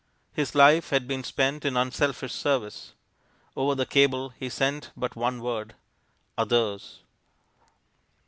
His life had been spent in unselfish service; over the cable he sent but one word OTHERS.